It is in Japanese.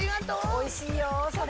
おいしいよ、それ。